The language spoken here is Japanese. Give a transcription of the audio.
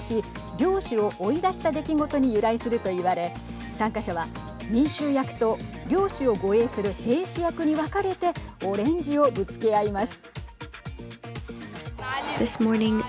領主を追い出した出来事に由来すると言われ参加者は民衆役と領主を護衛する兵士役に分かれてオレンジをぶつけ合います。